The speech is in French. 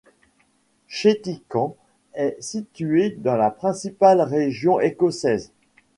Chéticamp est situé dans la principale région écossaise.